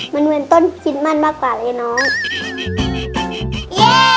มันเหมือนต้นพริกมันมากกว่าเลยเนาะ